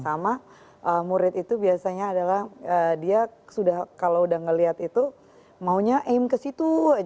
sama murid itu biasanya adalah dia kalau sudah ngelihat itu maunya aim ke situ aja gitu